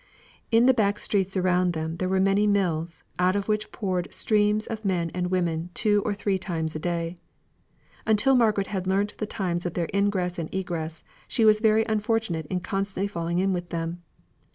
In the back streets around them there were many mills, out of which poured streams of men and women two or three times a day. Until Margaret had learnt the times of their ingress and egress, she was very unfortunate in constantly falling in with them.